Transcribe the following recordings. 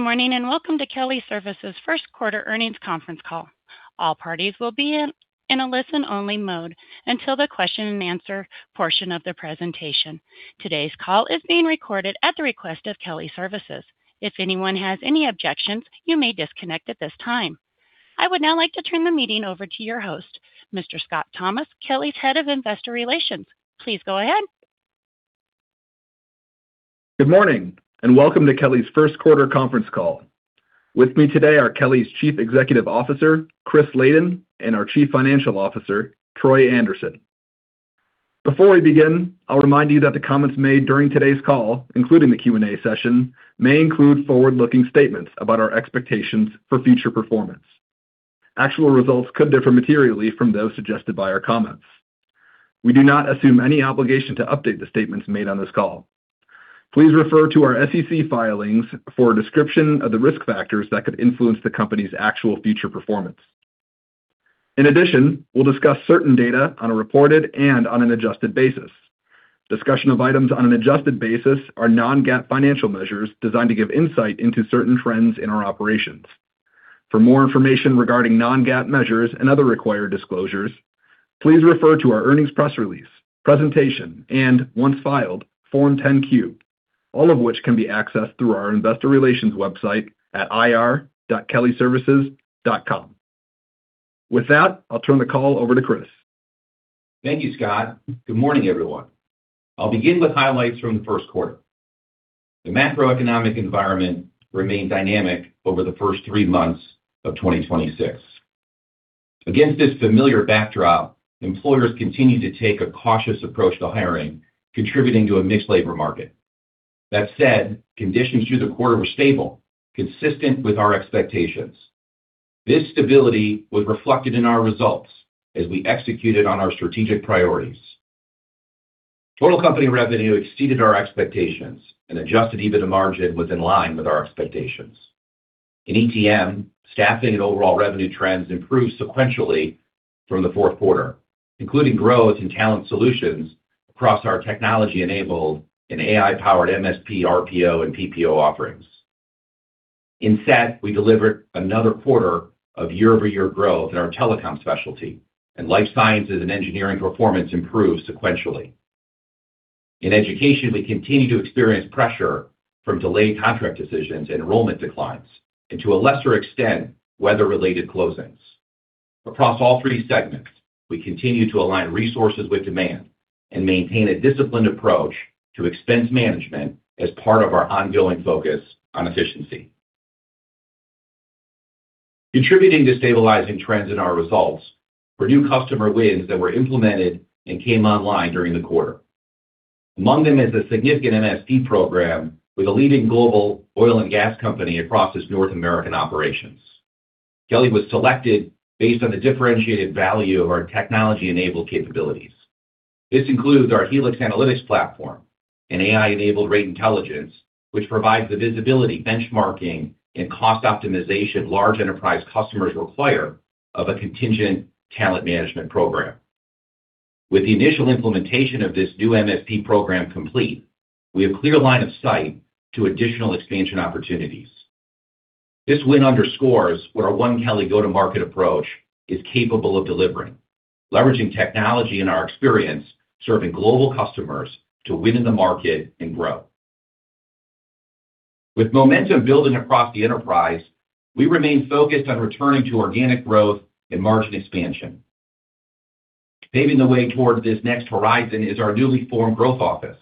Good morning, welcome to Kelly Services' first quarter earnings conference call. All parties will be in a listen only mode until the question and answer portion of the presentation. Today's call is being recorded at the request of Kelly Services. If anyone has any objections, you may disconnect at this time. I would now like to turn the meeting over to your host, Mr. Scott Thomas, Kelly's Head of Investor Relations. Please go ahead. Good morning, and welcome to Kelly's first quarter conference call. With me today are Kelly's Chief Executive Officer, Chris Layden; and our Chief Financial Officer, Troy Anderson. Before we begin, I'll remind you that the comments made during today's call, including the Q&A session, may include forward-looking statements about our expectations for future performance. Actual results could differ materially from those suggested by our comments. We do not assume any obligation to update the statements made on this call. Please refer to our SEC filings for a description of the risk factors that could influence the company's actual future performance. In addition, we'll discuss certain data on a reported and on an adjusted basis. Discussion of items on an adjusted basis are non-GAAP financial measures designed to give insight into certain trends in our operations. For more information regarding non-GAAP measures and other required disclosures, please refer to our earnings press release, presentation, and once filed, Form 10-Q, all of which can be accessed through our investor relations website at ir.kellyservices.com. With that, I'll turn the call over to Chris. Thank you, Scott. Good morning, everyone. I'll begin with highlights from the 1st quarter. The macroeconomic environment remained dynamic over the first three months of 2026. Against this familiar backdrop, employers continued to take a cautious approach to hiring, contributing to a mixed labor market. That said, conditions through the quarter were stable, consistent with our expectations. This stability was reflected in our results as we executed on our strategic priorities. Total company revenue exceeded our expectations, and adjusted EBITDA margin was in line with our expectations. In ETM, staffing and overall revenue trends improved sequentially from the 4th quarter, including growth in talent solutions across our technology-enabled and AI-powered MSP, RPO, and PPO offerings. In SET, we delivered another quarter of year-over-year growth in our telecom specialty, and life sciences and engineering performance improved sequentially. In Education, we continue to experience pressure from delayed contract decisions and enrollment declines and, to a lesser extent, weather-related closings. Across all three segments, we continue to align resources with demand and maintain a disciplined approach to expense management as part of our ongoing focus on efficiency. Contributing to stabilizing trends in our results were new customer wins that were implemented and came online during the quarter. Among them is a significant MSP program with a leading global oil and gas company across its North American operations. Kelly was selected based on the differentiated value of our technology-enabled capabilities. This includes our Helix Analytics platform and AI-enabled rate intelligence, which provides the visibility, benchmarking, and cost optimization large enterprise customers require of a contingent talent management program. With the initial implementation of this new MSP program complete, we have clear line of sight to additional expansion opportunities. This win underscores what our One Kelly go-to-market approach is capable of delivering, leveraging technology and our experience serving global customers to win in the market and grow. With momentum building across the enterprise, we remain focused on returning to organic growth and margin expansion. Paving the way toward this next horizon is our newly formed Growth Office.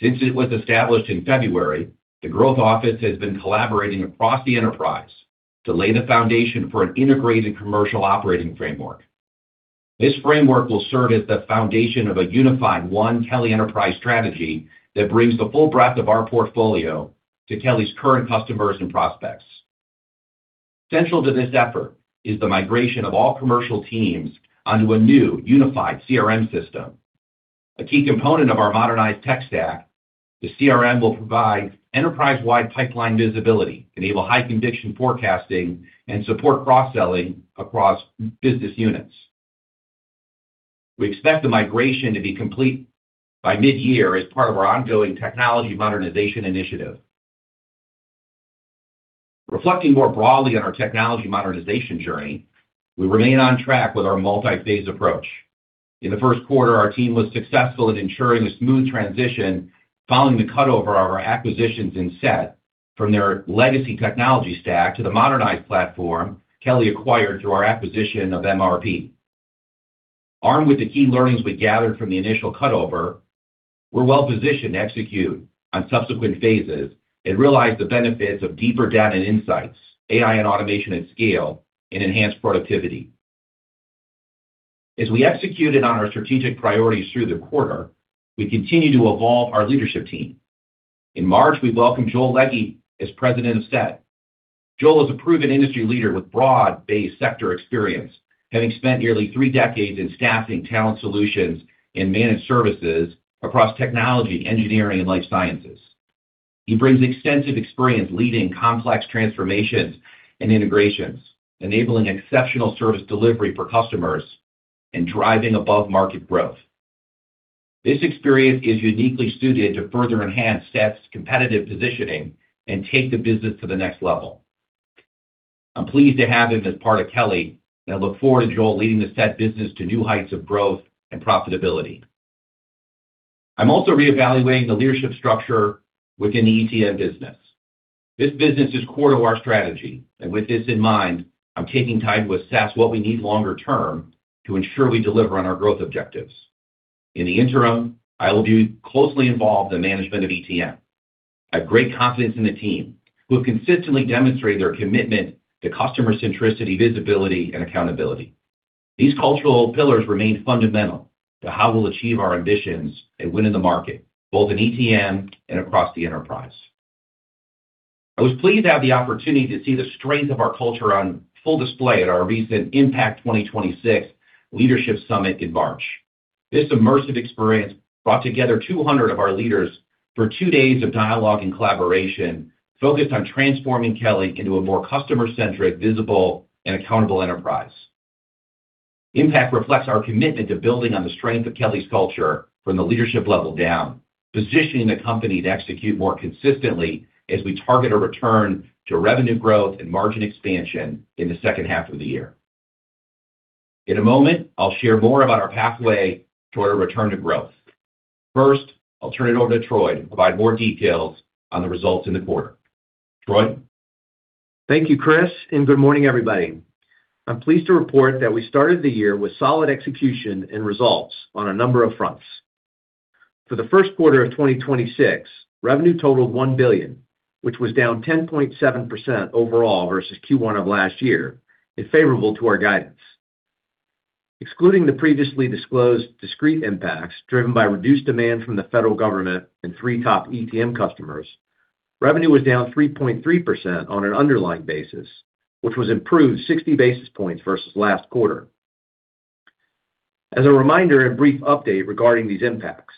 Since it was established in February, the Growth Office has been collaborating across the enterprise to lay the foundation for an integrated commercial operating framework. This framework will serve as the foundation of a unified One Kelly Enterprise strategy that brings the full breadth of our portfolio to Kelly's current customers and prospects. Central to this effort is the migration of all commercial teams onto a new unified CRM system. A key component of our modernized tech stack, the CRM will provide enterprise-wide pipeline visibility, enable high conviction forecasting, and support cross-selling across business units. We expect the migration to be complete by mid-year as part of our ongoing technology modernization initiative. Reflecting more broadly on our technology modernization journey, we remain on track with our multi-phase approach. In the first quarter, our team was successful in ensuring a smooth transition following the cut-over of our acquisitions in SET from their legacy technology stack to the modernized platform Kelly acquired through our acquisition of MRP. Armed with the key learnings we gathered from the initial cut-over, we're well positioned to execute on subsequent phases and realize the benefits of deeper data and insights, AI and automation at scale, and enhanced productivity. As we executed on our strategic priorities through the quarter, we continue to evolve our leadership team. In March, we welcomed Joel Leege as President of SET. Joel is a proven industry leader with broad-based sector experience, having spent nearly three decades in staffing, talent solutions, and managed services across technology, engineering, and life sciences. He brings extensive experience leading complex transformations and integrations, enabling exceptional service delivery for customers and driving above-market growth. This experience is uniquely suited to further enhance SET's competitive positioning and take the business to the next level. I'm pleased to have him as part of Kelly, and I look forward to Joel leading the SET business to new heights of growth and profitability. I'm also reevaluating the leadership structure within the ETM business. This business is core to our strategy, and with this in mind, I'm taking time to assess what we need longer term to ensure we deliver on our growth objectives. In the interim, I will be closely involved in the management of ETM. I have great confidence in the team, who have consistently demonstrated their commitment to customer centricity, visibility, and accountability. These cultural pillars remain fundamental to how we'll achieve our ambitions and win in the market, both in ETM and across the enterprise. I was pleased to have the opportunity to see the strength of our culture on full display at our recent Impact 2026 leadership summit in March. This immersive experience brought together 200 of our leaders for two days of dialogue and collaboration focused on transforming Kelly into a more customer-centric, visible, and accountable enterprise. Impact reflects our commitment to building on the strength of Kelly's culture from the leadership level down, positioning the company to execute more consistently as we target a return to revenue growth and margin expansion in the second half of the year. In a moment, I'll share more about our pathway toward a return to growth. First, I'll turn it over to Troy to provide more details on the results in the quarter. Troy? Thank you, Chris. Good morning, everybody. I'm pleased to report that we started the year with solid execution and results on a number of fronts. For the first quarter of 2026, revenue totaled $1 billion, which was down 10.7% overall versus Q1 of last year and favorable to our guidance. Excluding the previously disclosed discrete impacts driven by reduced demand from the Federal government and three top ETM customers, revenue was down 3.3% on an underlying basis, which was improved 60 basis points versus last quarter. As a reminder and brief update regarding these impacts,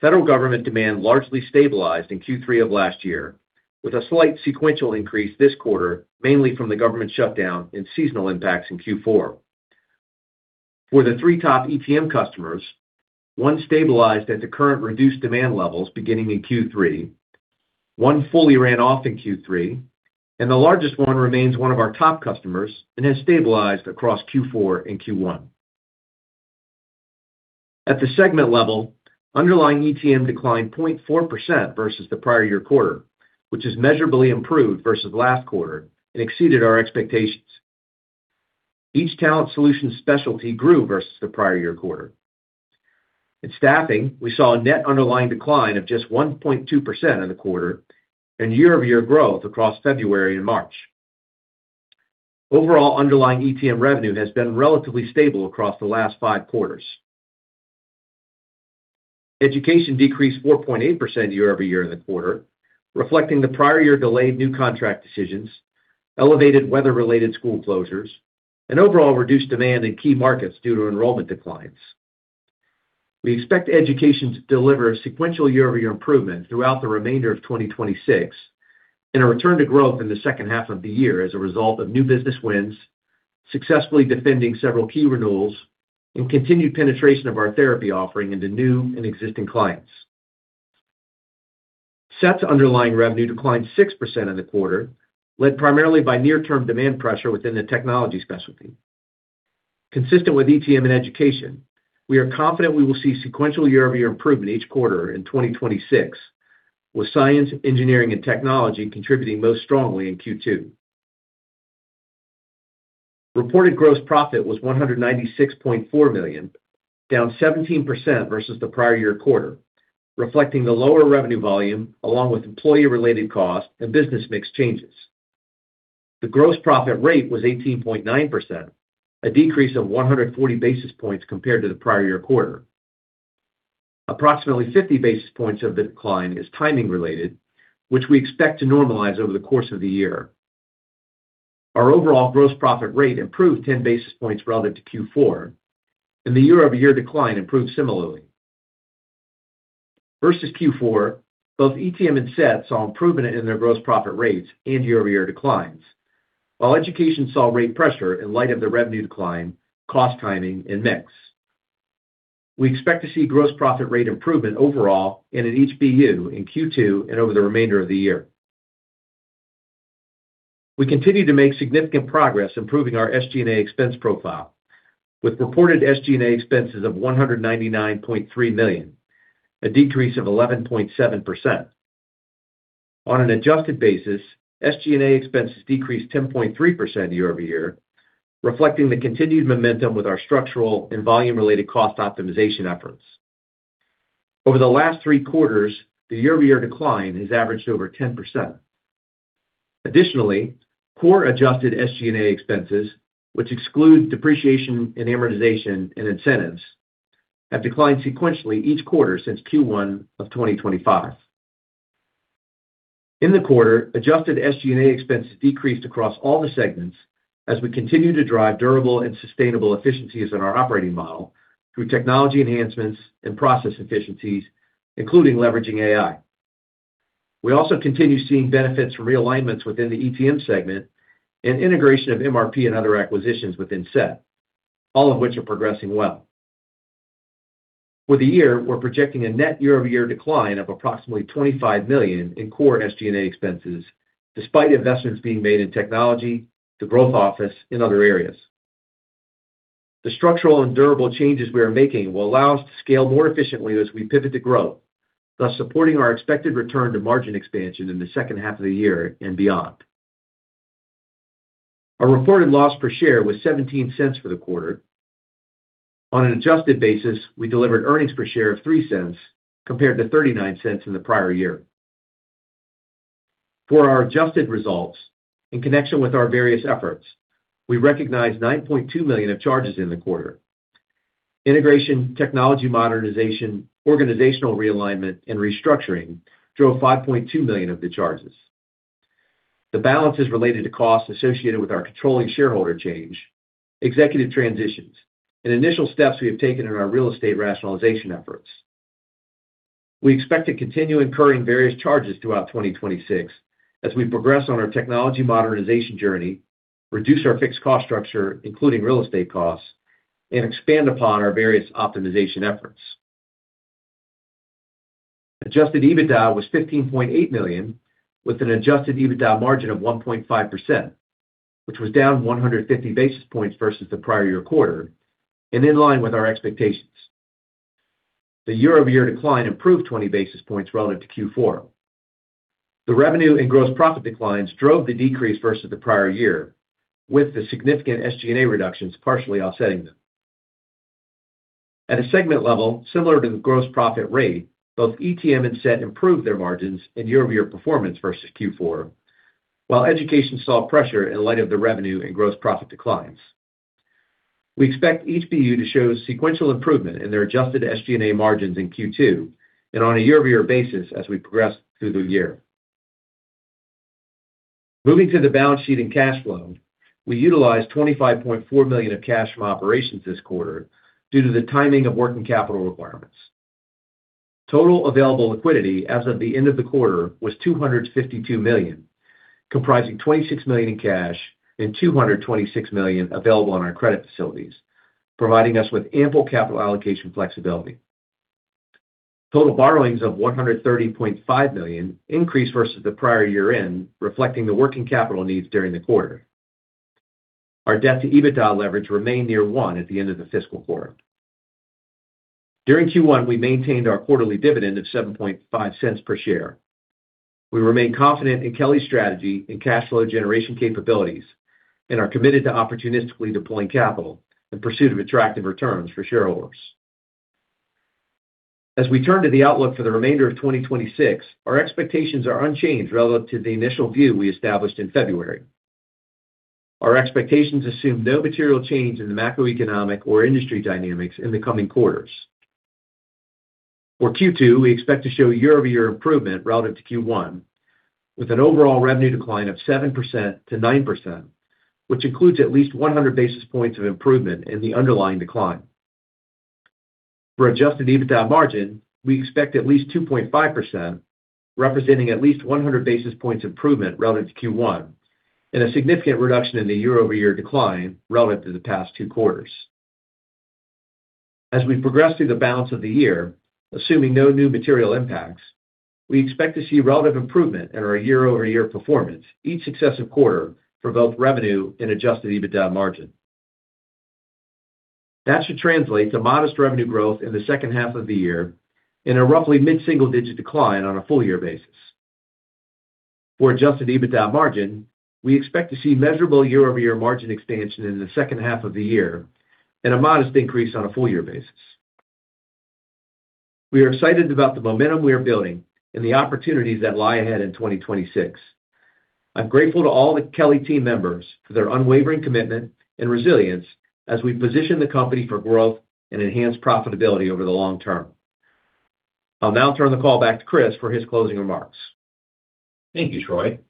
Federal government demand largely stabilized in Q3 of last year with a slight sequential increase this quarter, mainly from the government shutdown and seasonal impacts in Q4. For the three top ETM customers, one stabilized at the current reduced demand levels beginning in Q3, one fully ran off in Q3, and the largest one remains one of our top customers and has stabilized across Q4 and Q1. At the segment level, underlying ETM declined 0.4% versus the prior year quarter, which is measurably improved versus last quarter and exceeded our expectations. Each Talent Solutions specialty grew versus the prior year quarter. In Staffing, we saw a net underlying decline of just 1.2% in the quarter and year-over-year growth across February and March. Overall underlying ETM revenue has been relatively stable across the last five quarters. Education decreased 4.8% year-over-year in the quarter, reflecting the prior year delayed new contract decisions, elevated weather-related school closures, and overall reduced demand in key markets due to enrollment declines. We expect Education to deliver a sequential year-over-year improvement throughout the remainder of 2026 and a return to growth in the second half of the year as a result of new business wins, successfully defending several key renewals, and continued penetration of our therapy offering into new and existing clients. SET's underlying revenue declined 6% in the quarter, led primarily by near-term demand pressure within the Technology specialty. Consistent with ETM and Education, we are confident we will see sequential year-over-year improvement each quarter in 2026, with Science, Engineering, and Technology contributing most strongly in Q2. Reported gross profit was $196.4 million, down 17% versus the prior year quarter, reflecting the lower revenue volume along with employee-related costs and business mix changes. The gross profit rate was 18.9%, a decrease of 140 basis points compared to the prior year quarter. Approximately 50 basis points of the decline is timing related, which we expect to normalize over the course of the year. Our overall gross profit rate improved 10 basis points relative to Q4, and the year-over-year decline improved similarly. Versus Q4, both ETM and SET saw improvement in their gross profit rates and year-over-year declines, while Education saw rate pressure in light of the revenue decline, cost timing, and mix. We expect to see gross profit rate improvement overall and in each BU in Q2 and over the remainder of the year. We continue to make significant progress improving our SG&A expense profile with reported SG&A expenses of $199.3 million, a decrease of 11.7%. On an adjusted basis, SG&A expenses decreased 10.3% year-over-year, reflecting the continued momentum with our structural and volume-related cost optimization efforts. Over the last three quarters, the year-over-year decline has averaged over 10%. Core adjusted SG&A expenses, which exclude depreciation and amortization and incentives, have declined sequentially each quarter since Q1 of 2025. In the quarter, adjusted SG&A expenses decreased across all the segments as we continue to drive durable and sustainable efficiencies in our operating model through technology enhancements and process efficiencies, including leveraging AI. We also continue seeing benefits from realignments within the ETM segment and integration of MRP and other acquisitions within SET, all of which are progressing well. For the year, we're projecting a net year-over-year decline of approximately $25 million in core SG&A expenses, despite investments being made in technology, the Growth Office and other areas. The structural and durable changes we are making will allow us to scale more efficiently as we pivot to growth, thus supporting our expected return to margin expansion in the second half of the year and beyond. Our reported loss per share was $0.17 for the quarter. On an adjusted basis, we delivered earnings per share of $0.03 compared to $0.39 in the prior year. For our adjusted results, in connection with our various efforts, we recognized $9.2 million of charges in the quarter. Integration, technology modernization, organizational realignment and restructuring drove $5.2 million of the charges. The balance is related to costs associated with our controlling shareholder change, executive transitions, and initial steps we have taken in our real estate rationalization efforts. We expect to continue incurring various charges throughout 2026 as we progress on our technology modernization journey, reduce our fixed cost structure, including real estate costs, and expand upon our various optimization efforts. Adjusted EBITDA was $15.8 million, with an adjusted EBITDA margin of 1.5%, which was down 150 basis points versus the prior year quarter and in line with our expectations. The year-over-year decline improved 20 basis points relative to Q4. The revenue and gross profit declines drove the decrease versus the prior year, with the significant SG&A reductions partially offsetting them. At a segment level, similar to the gross profit rate, both ETM and SET improved their margins in year-over-year performance versus Q4, while education saw pressure in light of the revenue and gross profit declines. We expect each BU to show sequential improvement in their adjusted SG&A margins in Q2 and on a year-over-year basis as we progress through the year. Moving to the balance sheet and cash flow, we utilized $25.4 million of cash from operations this quarter due to the timing of working capital requirements. Total available liquidity as of the end of the quarter was $252 million, comprising $26 million in cash and $226 million available on our credit facilities, providing us with ample capital allocation flexibility. Total borrowings of $130.5 million increased versus the prior year-end, reflecting the working capital needs during the quarter. Our debt-to-EBITDA leverage remained near one at the end of the fiscal quarter. During Q1, we maintained our quarterly dividend of $0.075 per share. We remain confident in Kelly's strategy and cash flow generation capabilities and are committed to opportunistically deploying capital in pursuit of attractive returns for shareholders. As we turn to the outlook for the remainder of 2026, our expectations are unchanged relative to the initial view we established in February. Our expectations assume no material change in the macroeconomic or industry dynamics in the coming quarters. For Q2, we expect to show year-over-year improvement relative to Q1, with an overall revenue decline of 7%-9%, which includes at least 100 basis points of improvement in the underlying decline. For adjusted EBITDA margin, we expect at least 2.5%, representing at least 100 basis points improvement relative to Q1 and a significant reduction in the year-over-year decline relative to the past two quarters. As we progress through the balance of the year, assuming no new material impacts, we expect to see relative improvement in our year-over-year performance each successive quarter for both revenue and adjusted EBITDA margin. That should translate to modest revenue growth in the second half of the year and a roughly mid-single-digit decline on a full year basis. For adjusted EBITDA margin, we expect to see measurable year-over-year margin expansion in the second half of the year and a modest increase on a full year basis. We are excited about the momentum we are building and the opportunities that lie ahead in 2026. I'm grateful to all the Kelly team members for their unwavering commitment and resilience as we position the company for growth and enhanced profitability over the long term. I'll now turn the call back to Chris for his closing remarks. Thank you, Troy.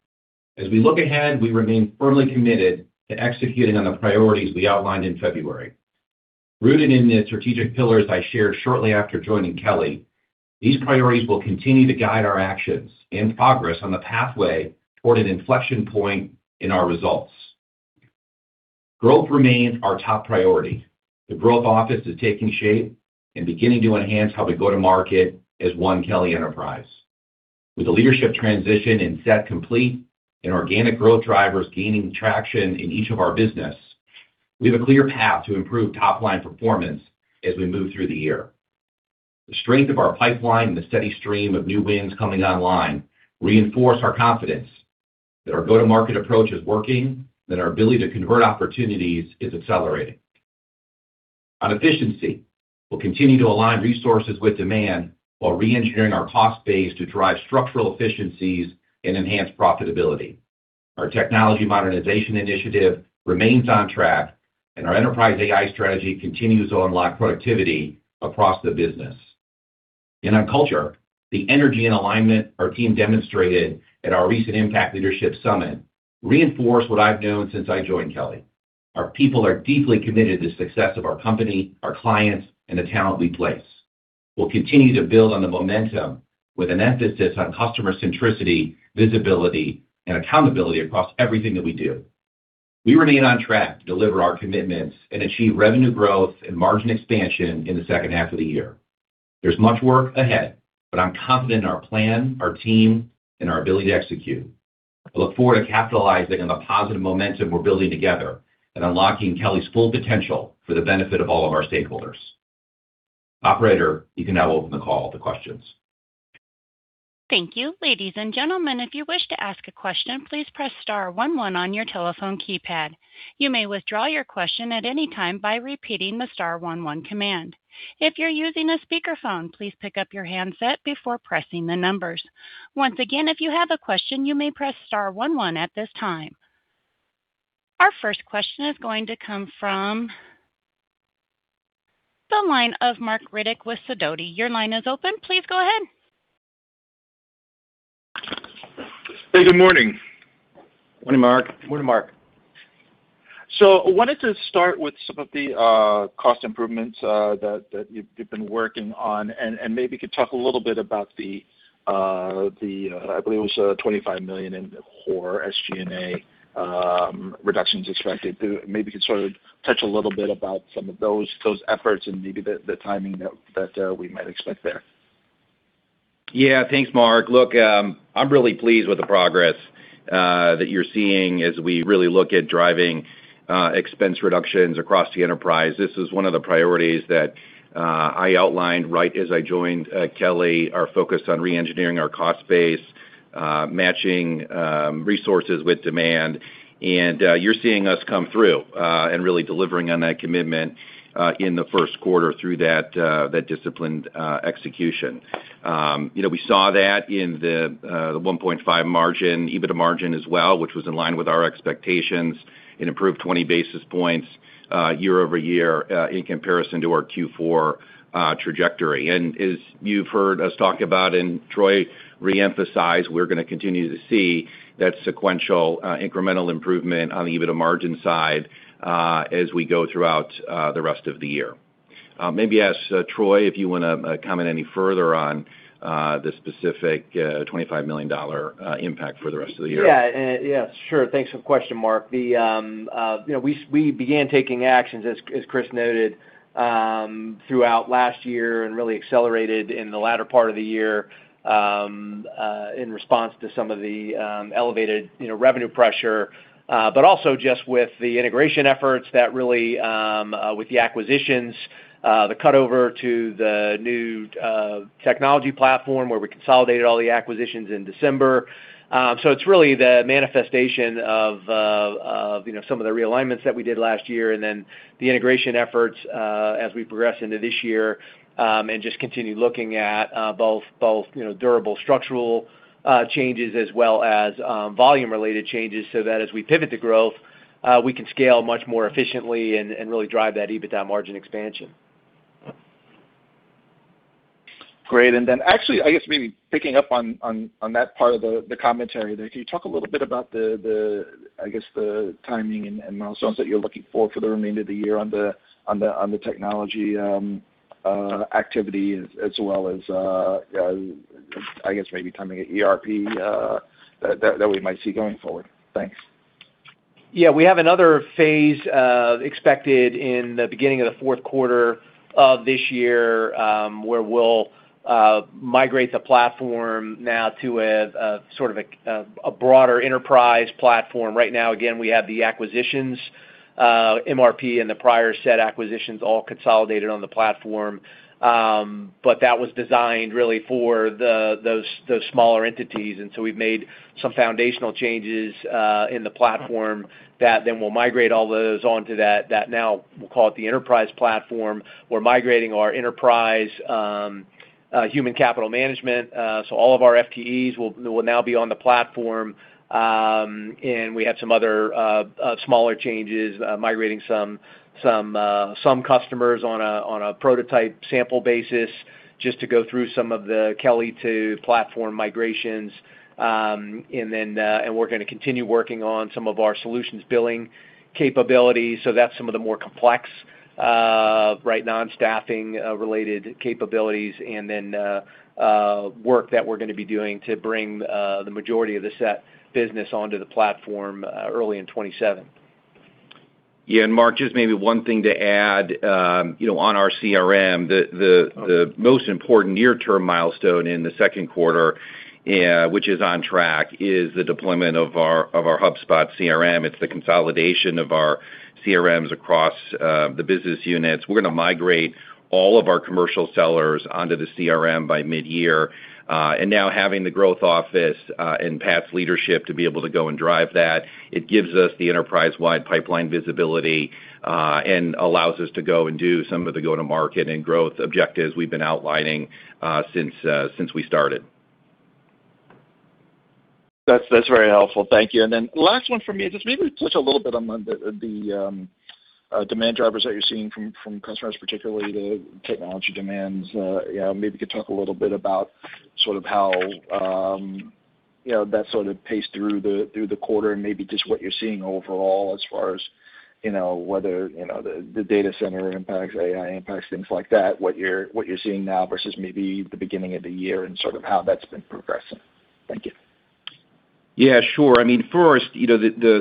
As we look ahead, we remain firmly committed to executing on the priorities we outlined in February. Rooted in the strategic pillars I shared shortly after joining Kelly, these priorities will continue to guide our actions and progress on the pathway toward an inflection point in our results. Growth remains our top priority. The Growth Office is taking shape and beginning to enhance how we go to market as One Kelly Enterprise. With the leadership transition and SET complete and organic growth drivers gaining traction in each of our business, we have a clear path to improve top-line performance as we move through the year. The strength of our pipeline and the steady stream of new wins coming online reinforce our confidence that our go-to-market approach is working and our ability to convert opportunities is accelerating. On efficiency, we'll continue to align resources with demand while re-engineering our cost base to drive structural efficiencies and enhance profitability. Our technology modernization initiative remains on track. Our enterprise AI strategy continues to unlock productivity across the business. On culture, the energy and alignment our team demonstrated at our recent Impact Leadership Summit reinforce what I've known since I joined Kelly. Our people are deeply committed to the success of our company, our clients, and the talent we place. We'll continue to build on the momentum with an emphasis on customer centricity, visibility, and accountability across everything that we do. We remain on track to deliver our commitments and achieve revenue growth and margin expansion in the second half of the year. There's much work ahead. I'm confident in our plan, our team, and our ability to execute. I look forward to capitalizing on the positive momentum we're building together and unlocking Kelly's full potential for the benefit of all of our stakeholders. Operator, you can now open the call to questions. Thank you. Ladies and gentlemen, if you wish to ask a question, please press star one one on your telephone keypad. You may withdraw your question at any time by repeating the star one one command. If you're using a speakerphone, please pick up your handset before pressing the numbers. Once again, if you have a question, you may press star one one at this time. Our first question is going to come from the line of Marc Riddick with Sidoti. Your line is open. Please go ahead. Hey, good morning. Morning, Marc. Morning, Marc. I wanted to start with some of the cost improvements that you've been working on and maybe you could talk a little bit about the I believe it was $25 million in core SG&A reductions expected. Maybe you could sort of touch a little bit about some of those efforts and maybe the timing we might expect there. Thanks, Marc. I'm really pleased with the progress that you're seeing as we really look at driving expense reductions across the enterprise. This is one of the priorities that I outlined right as I joined Kelly, our focus on reengineering our cost base, matching resources with demand. You're seeing us come through and really delivering on that commitment in the first quarter through that disciplined execution. You know, we saw that in the 1.5% margin, EBITDA margin as well, which was in line with our expectations. It improved 20 basis points year-over-year in comparison to our Q4 trajectory. As you've heard us talk about and Troy reemphasize, we're gonna continue to see that sequential, incremental improvement on the EBITDA margin side, as we go throughout the rest of the year. Maybe ask Troy if you wanna comment any further on the specific $25 million impact for the rest of the year. Yeah, sure. Thanks for the question, Marc. You know, we began taking actions as Chris noted, throughout last year and really accelerated in the latter part of the year, in response to some of the elevated, you know, revenue pressure, but also just with the integration efforts that really with the acquisitions, the cut over to the new technology platform where we consolidated all the acquisitions in December. It's really the manifestation of, you know, some of the realignments that we did last year and then the integration efforts, as we progress into this year, and just continue looking at, both, you know, durable structural, changes as well as, volume-related changes so that as we pivot to growth, we can scale much more efficiently and really drive that EBITDA margin expansion. Great. I guess maybe picking up on that part of the commentary there, can you talk a little bit about the I guess the timing and milestones that you're looking for for the remainder of the year on the technology activity as well as I guess maybe timing at ERP that we might see going forward? Thanks. Yeah. We have another phase expected in the beginning of the fourth quarter of this year, where we'll migrate the platform now to a broader enterprise platform. Right now, again, we have the acquisitions, MRP and the prior SET acquisitions all consolidated on the platform. That was designed really for those smaller entities. We've made some foundational changes in the platform that we'll migrate all those onto that now we'll call it the enterprise platform. We're migrating our enterprise human capital management. All of our FTEs will now be on the platform. We have some other smaller changes, migrating some customers on a prototype sample basis just to go through some of the Kelly to platform migrations. We're gonna continue working on some of our solutions billing capabilities. That's some of the more complex, right non-staffing related capabilities. Work that we're gonna be doing to bring the majority of the SET business onto the platform early in 2027. Marc, just maybe one thing to add, you know, on our CRM, the most important near term milestone in the second quarter, which is on track, is the deployment of our HubSpot CRM. It's the consolidation of our CRMs across the business units. We're gonna migrate all of our commercial sellers onto the CRM by mid-year. Now having the Growth Office and Pat's leadership to be able to go and drive that, it gives us the enterprise-wide pipeline visibility and allows us to go and do some of the go-to-market and growth objectives we've been outlining since we started. That's very helpful. Thank you. Last one for me is just maybe touch a little bit on the demand drivers that you're seeing from customers, particularly the technology demands. Yeah, maybe you could talk a little bit about sort of how, you know, that sort of paced through the quarter and maybe just what you're seeing overall as far as, you know, whether the data center impacts AI, impacts things like that, what you're seeing now versus maybe the beginning of the year and sort of how that's been progressing. Thank you. Yeah, sure. I mean, first, you know,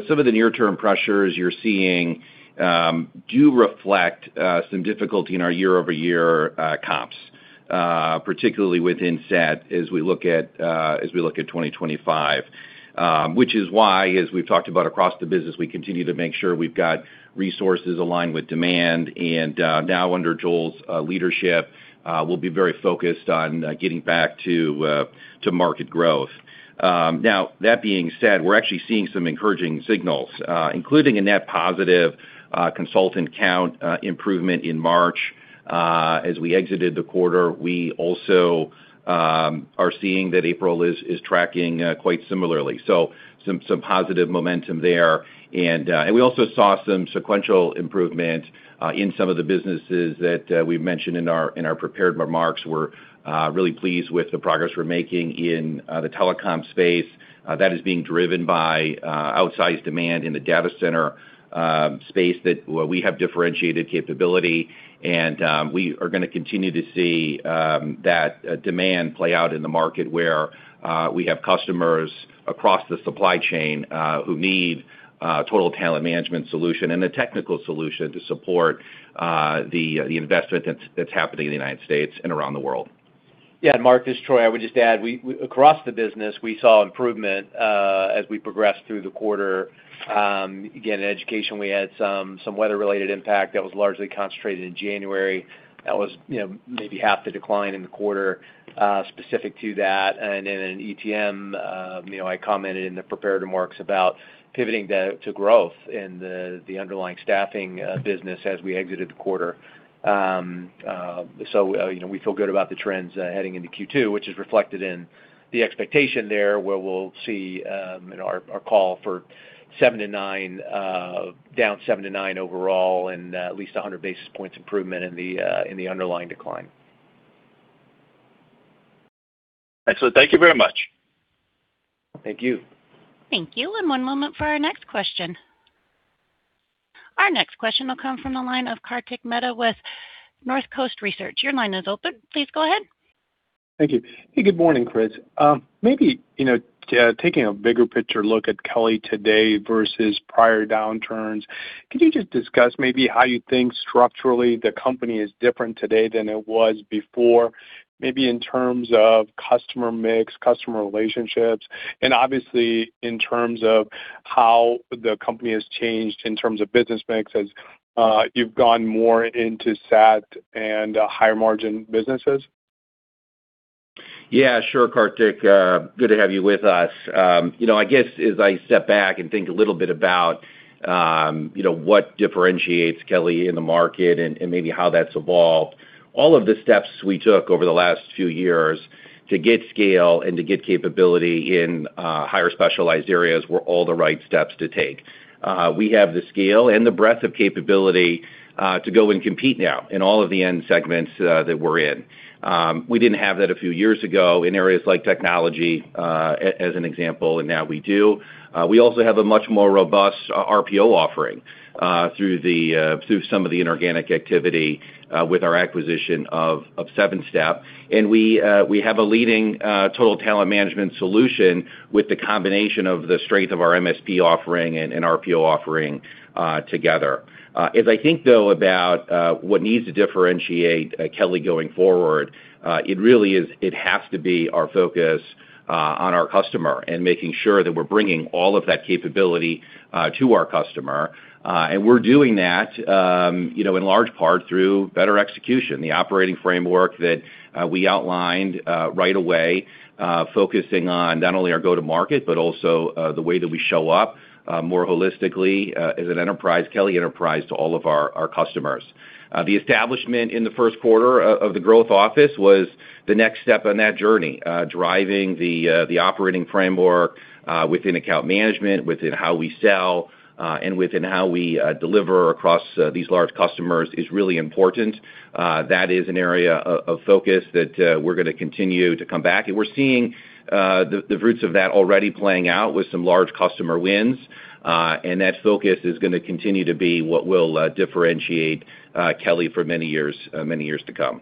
some of the near term pressures you're seeing do reflect some difficulty in our year-over-year comps, particularly within SET as we look at 2025. Which is why, as we've talked about across the business, we continue to make sure we've got resources aligned with demand. Now under Joel's leadership, we'll be very focused on getting back to market growth. Now that being said, we're actually seeing some encouraging signals, including a net positive consultant count improvement in March. As we exited the quarter, we also are seeing that April is tracking quite similarly. Some positive momentum there. We also saw some sequential improvement in some of the businesses that we've mentioned in our prepared remarks. We're really pleased with the progress we're making in the telecom space that is being driven by outsized demand in the data center space that where we have differentiated capability. We are gonna continue to see that demand play out in the market where we have customers across the supply chain who need total talent management solution and a technical solution to support the investment that's happening in the United States and around the world. Marc, this is Troy. I would just add, across the business, we saw improvement as we progressed through the quarter. Again, in education, we had some weather-related impact that was largely concentrated in January. That was, you know, maybe half the decline in the quarter specific to that. Then in ETM, you know, I commented in the prepared remarks about pivoting to growth in the underlying staffing business as we exited the quarter. You know, we feel good about the trends heading into Q2, which is reflected in the expectation there, where we'll see in our call for 7%-9% overall and at least 100 basis points improvement in the underlying decline. Excellent. Thank you very much. Thank you. Thank you. One moment for our next question. Our next question will come from the line of Kartik Mehta with Northcoast Research. Your line is open. Please go ahead. Thank you. Hey, good morning, Chris. Maybe, you know, taking a bigger picture look at Kelly today versus prior downturns, could you just discuss maybe how you think structurally the company is different today than it was before, maybe in terms of customer mix, customer relationships, and obviously in terms of how the company has changed in terms of business mix as you've gone more into SET and higher margin businesses? Yeah, sure, Kartik, good to have you with us. You know, I guess as I step back and think a little bit about, you know, what differentiates Kelly in the market and maybe how that's evolved, all of the steps we took over the last few years to get scale and to get capability in higher specialized areas were all the right steps to take. We have the scale and the breadth of capability to go and compete now in all of the end segments that we're in. We didn't have that a few years ago in areas like technology, as an example, and now we do. We also have a much more robust RPO offering through some of the inorganic activity with our acquisition of Sevenstep. We have a leading total talent management solution with the combination of the strength of our MSP offering and RPO offering, together. As I think though about what needs to differentiate Kelly going forward, it really is, it has to be our focus on our customer and making sure that we're bringing all of that capability to our customer. We're doing that, you know, in large part through better execution. The operating framework that we outlined right away, focusing on not only our go-to-market, but also the way that we show up more holistically as an enterprise, Kelly Enterprise, to all of our customers. The establishment in the first quarter of the Growth Office was the next step on that journey. Driving the operating framework within account management, within how we sell, and within how we deliver across these large customers is really important. That is an area of focus that we're gonna continue to come back. We're seeing the roots of that already playing out with some large customer wins, and that focus is gonna continue to be what will differentiate Kelly for many years, many years to come.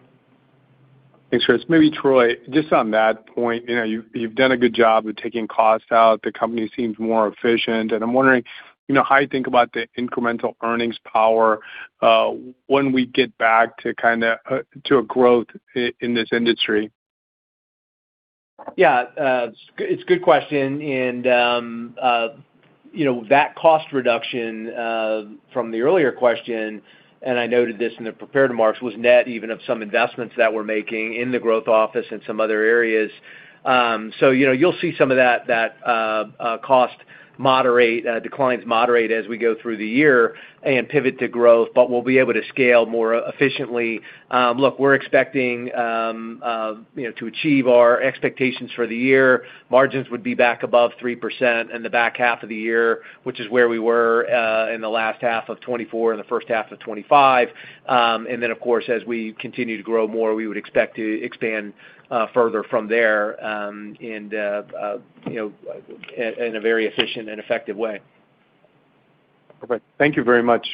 Thanks, Chris. Maybe Troy, just on that point, you know, you've done a good job with taking costs out. The company seems more efficient. I'm wondering, you know, how you think about the incremental earnings power when we get back to kinda growth in this industry. It's a good question. You know, that cost reduction from the earlier question, and I noted this in the prepared remarks, was net even of some investments that we're making in the Growth Office and some other areas. You know, you'll see some of that cost declines moderate as we go through the year and pivot to growth, but we'll be able to scale more efficiently. We're expecting, you know, to achieve our expectations for the year. Margins would be back above 3% in the back half of the year, which is where we were in the last half of 2024 and the first half of 2025. Of course, as we continue to grow more, we would expect to expand further from there, and, you know, in a very efficient and effective way. Perfect. Thank you very much.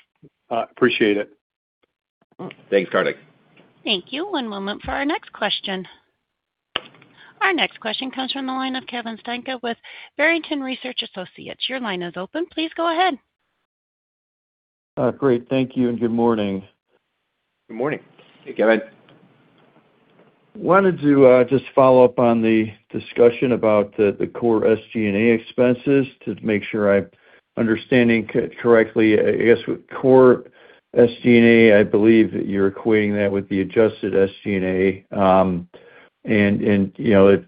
Appreciate it. Thanks, Kartik. Thank you. One moment for our next question. Our next question comes from the line of Kevin Steinke with Barrington Research Associates. Your line is open. Please go ahead. Great. Thank you, and good morning. Good morning. Hey, Kevin. Wanted to just follow up on the discussion about the core SG&A expenses to make sure I'm understanding correctly. I guess, with core SG&A, I believe that you're equating that with the adjusted SG&A. You know, if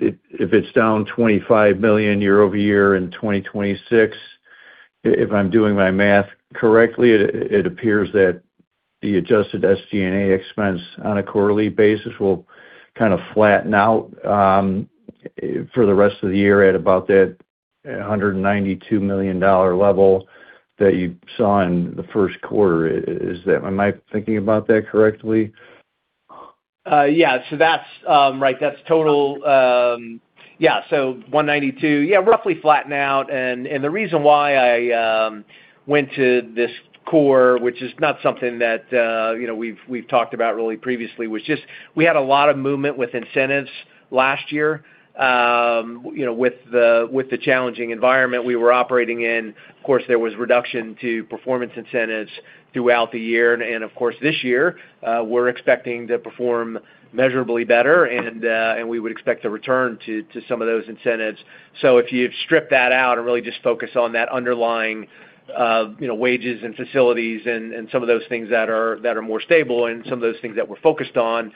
it's down $25 million year-over-year in 2026, if I'm doing my math correctly, it appears that the adjusted SG&A expense on a quarterly basis will kind of flatten out for the rest of the year at about that $192 million level that you saw in the first quarter. Am I thinking about that correctly? Yeah. That's, right, that's total, yeah, so $192 million. Yeah, roughly flatten out. The reason why I went to this core, which is not something that, you know, we've talked about really previously, was just we had a lot of movement with incentives last year, you know, with the challenging environment we were operating in. Of course, there was reduction to performance incentives throughout the year. Of course, this year, we're expecting to perform measurably better and we would expect a return to some of those incentives. If you strip that out and really just focus on that underlying, you know, wages and facilities and some of those things that are more stable and some of those things that we're focused on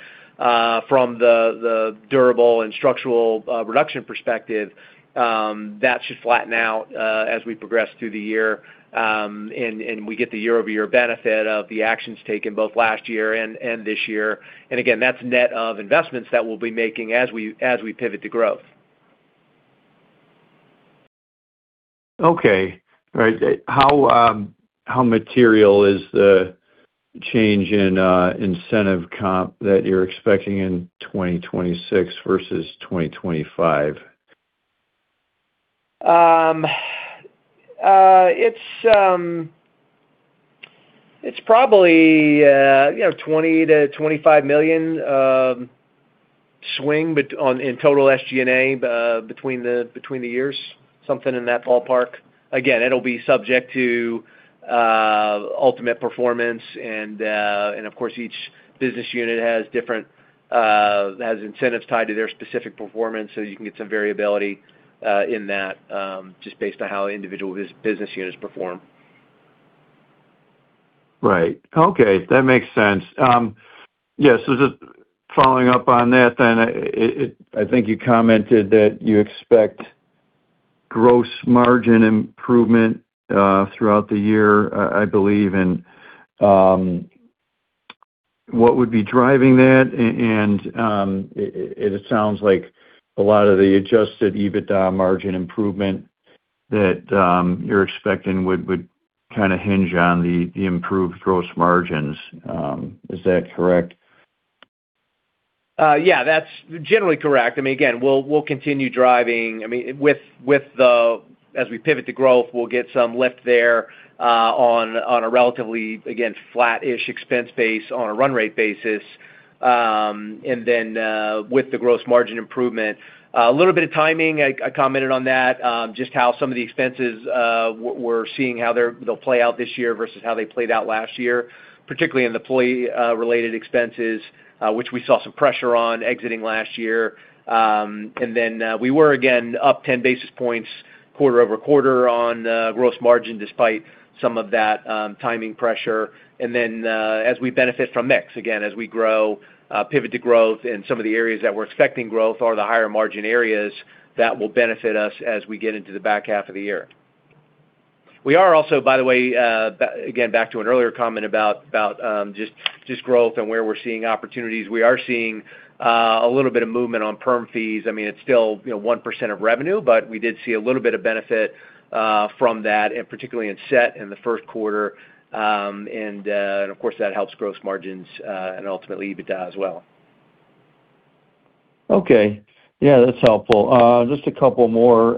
from the durable and structural reduction perspective, that should flatten out as we progress through the year, and we get the year-over-year benefit of the actions taken both last year and this year. Again, that's net of investments that we'll be making as we pivot to growth. Okay. All right. How material is the change in incentive comp that you're expecting in 2026 versus 2025? It's probably, you know, a $20 million to $25 million swing on in total SG&A between the years, something in that ballpark. Again, it'll be subject to ultimate performance and of course, each business unit has different incentives tied to their specific performance, so you can get some variability in that just based on how individual business units perform. Right. Okay, that makes sense. Just following up on that then, I think you commented that you expect gross margin improvement throughout the year, I believe. What would be driving that? It sounds like a lot of the adjusted EBITDA margin improvement that you're expecting would kinda hinge on the improved gross margins. Is that correct? Yeah, that's generally correct. I mean, again, we'll continue driving. I mean, with the as we pivot to growth, we'll get some lift there, on a relatively, again, flat-ish expense base on a run rate basis. Then, with the gross margin improvement. A little bit of timing, I commented on that, just how some of the expenses, we're seeing how they'll play out this year versus how they played out last year, particularly in employee related expenses, which we saw some pressure on exiting last year. Then, we were again up 10 basis points quarter-over-quarter on gross margin despite some of that timing pressure. Then, as we benefit from mix, again, as we grow, pivot to growth in some of the areas that we're expecting growth or the higher margin areas, that will benefit us as we get into the back half of the year. We are also, by the way, again, back to an earlier comment about just growth and where we're seeing opportunities. We are seeing a little bit of movement on perm fees. I mean, it's still, you know, 1% of revenue, but we did see a little bit of benefit from that and particularly in SET in the first quarter. And of course, that helps gross margins and ultimately EBITDA as well. Okay. Yeah, that's helpful. Just a couple more.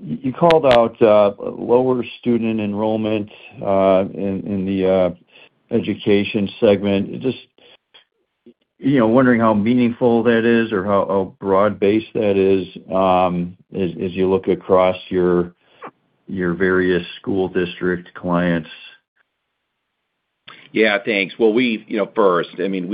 You called out lower student enrollment in the Education segment. Just, you know, wondering how meaningful that is or how broad-based that is as you look across your various school district clients? Yeah, thanks. Well, we, you know, first, I mean,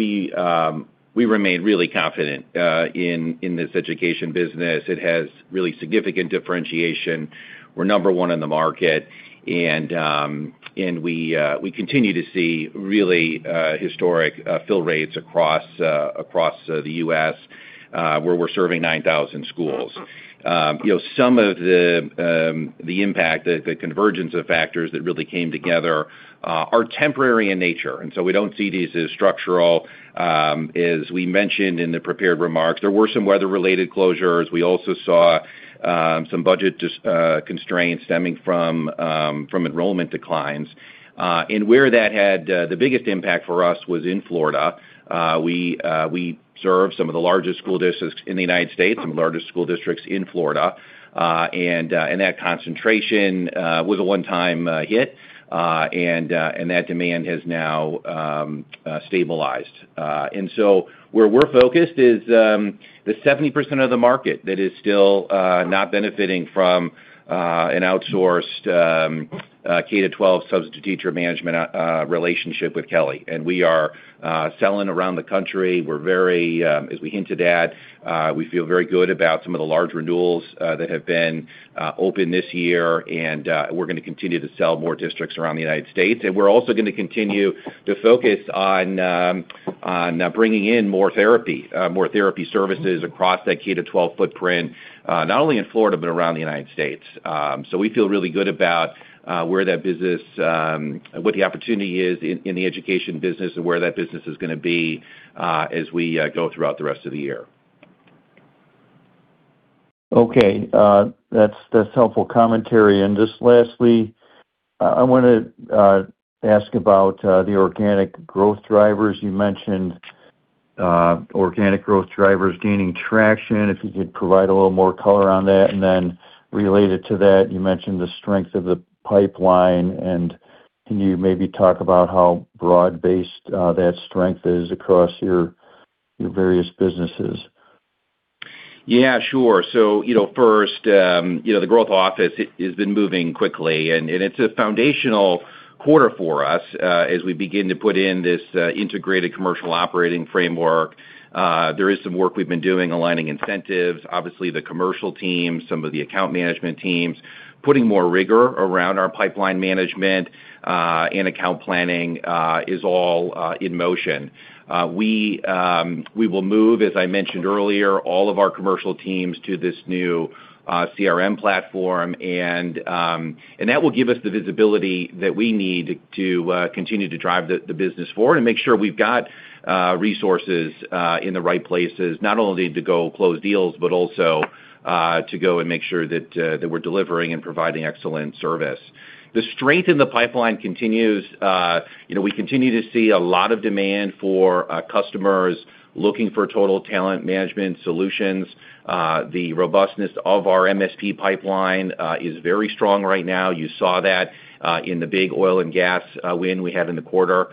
we remain really confident in this education business. It has really significant differentiation. We're number one in the market, and we continue to see really historic fill rates across the U.S., where we're serving 9,000 schools. You know, some of the impact, the convergence of factors that really came together are temporary in nature. We don't see these as structural. As we mentioned in the prepared remarks, there were some weather-related closures. We also saw some budget constraints stemming from enrollment declines. Where that had the biggest impact for us was in Florida. We serve some of the largest school districts in the United States and largest school districts in Florida. That concentration was a one-time hit. That demand has now stabilized. Where we're focused is the 70% of the market that is still not benefiting from an outsourced K-12 substitute teacher management relationship with Kelly. We are selling around the country. We're very, as we hinted at, we feel very good about some of the large renewals that have been open this year. We're gonna continue to sell more districts around the United States. We're also gonna continue to focus on bringing in more therapy, more therapy services across that K-12 footprint, not only in Florida, but around the United States. We feel really good about where that business, what the opportunity is in the Education business and where that business is gonna be as we go throughout the rest of the year. Okay. That's helpful commentary. Just lastly, I wanna ask about the organic growth drivers. You mentioned organic growth drivers gaining traction, if you could provide a little more color on that. Then related to that, you mentioned the strength of the pipeline, can you maybe talk about how broad-based that strength is across your various businesses? Yeah, sure. You know, first, you know, the Growth Office has been moving quickly and it's a foundational quarter for us, as we begin to put in this integrated commercial operating framework. There is some work we've been doing aligning incentives. Obviously, the commercial teams, some of the account management teams, putting more rigor around our pipeline management, and account planning, is all in motion. We will move, as I mentioned earlier, all of our commercial teams to this new CRM platform. That will give us the visibility that we need to continue to drive the business forward and make sure we've got resources in the right places, not only to go close deals, but also to go and make sure that we're delivering and providing excellent service. The strength in the pipeline continues. You know, we continue to see a lot of demand for customers looking for total talent management solutions. The robustness of our MSP pipeline is very strong right now. You saw that in the big oil and gas win we had in the quarter.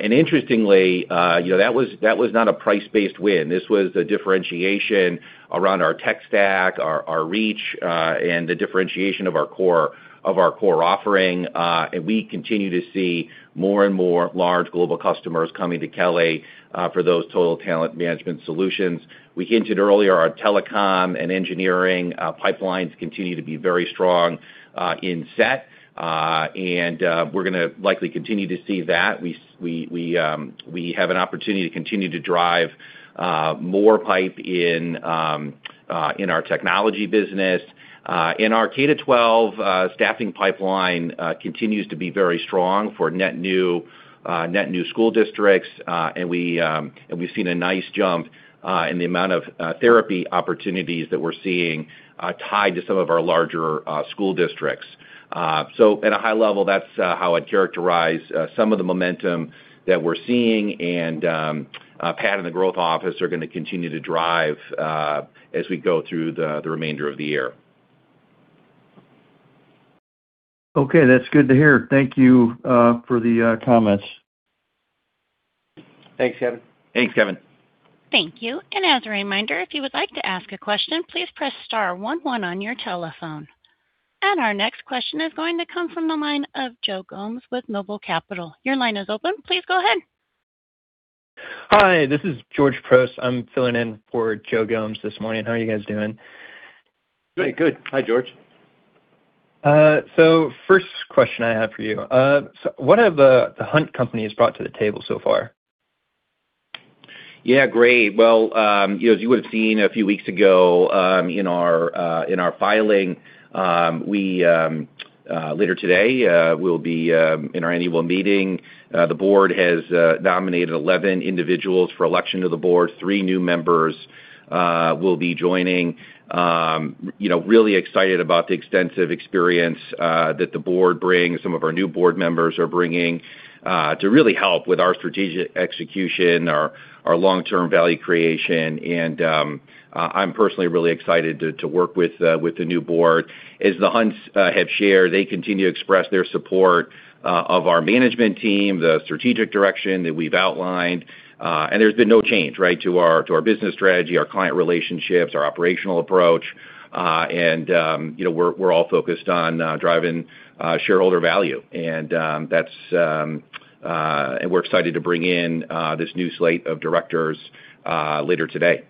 Interestingly, you know, that was not a price-based win. This was a differentiation around our tech stack, our reach, and the differentiation of our core offering. We continue to see more and more large global customers coming to Kelly for those total talent management solutions. We hinted earlier, our Telecom and Engineering pipelines continue to be very strong in SET. We're gonna likely continue to see that. We have an opportunity to continue to drive more pipe in our Technology business. Our K-12 staffing pipeline continues to be very strong for net new school districts. We've seen a nice jump in the amount of therapy opportunities that we're seeing tied to some of our larger school districts. At a high level, that's how I'd characterize some of the momentum that we're seeing. Pat and the Growth Office are gonna continue to drive as we go through the remainder of the year. Okay. That's good to hear. Thank you for the comments. Thanks, Kevin. Thanks, Kevin. Thank you. As a reminder, if you would like to ask a question, please press star one one on your telephone. Our next question is going to come from the line of Joe Gomes with Noble Capital Markets. Your line is open. Please go ahead. Hi, this is George Proost. I'm filling in for Joe Gomes this morning. How are you guys doing? Doing good. Hi, George. First question I have for you. What have the Hunt Companies brought to the table so far? Yeah. Great. Well, you know, as you would've seen a few weeks ago, in our filing, later today, we'll be in our annual meeting. The board has nominated 11 individuals for election to the board. Three new members will be joining. You know, really excited about the extensive experience that the board brings, some of our new board members are bringing to really help with our strategic execution, our long-term value creation. I'm personally really excited to work with the new board. As the Hunts have shared, they continue to express their support of our management team, the strategic direction that we've outlined. There's been no change, right? To our business strategy, our client relationships, our operational approach. You know, we're all focused on driving shareholder value. We're excited to bring in this new slate of directors later today.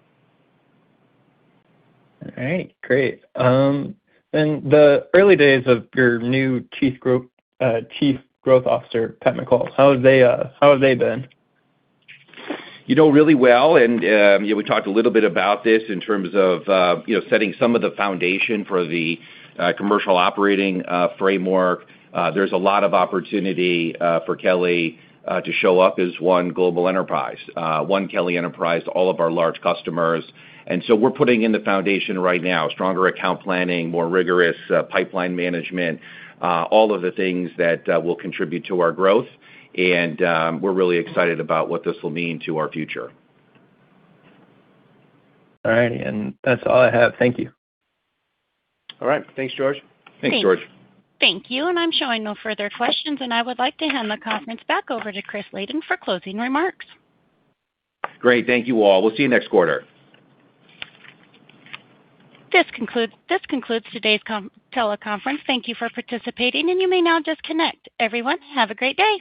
All right. Great. The early days of your new Chief Growth Officer, Pat McCall, how have they been? You know, really well, and, you know, we talked a little bit about this in terms of, you know, setting some of the foundation for the commercial operating framework. There's a lot of opportunity for Kelly to show up as one global enterprise, One Kelly Enterprise to all of our large customers. So we're putting in the foundation right now, stronger account planning, more rigorous pipeline management, all of the things that will contribute to our growth. We're really excited about what this will mean to our future. All righty. That's all I have. Thank you. All right. Thanks, George. Thanks, George. Thank you. I'm showing no further questions, and I would like to hand the conference back over to Chris Layden for closing remarks. Great. Thank you all. We'll see you next quarter. This concludes today's teleconference. Thank you for participating, and you may now disconnect. Everyone, have a great day.